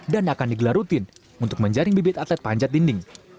dan akan digelar rutin untuk menjaring bibit atlet panjat dinding